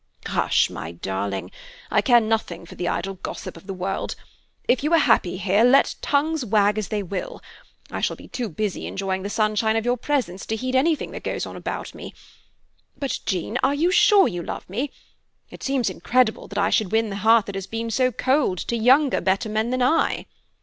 "Hush, my darling. I care nothing for the idle gossip of the world. If you are happy here, let tongues wag as they will. I shall be too busy enjoying the sunshine of your presence to heed anything that goes on about me. But, Jean, you are sure you love me? It seems incredible that I should win the heart that has been so cold to younger, better men than I."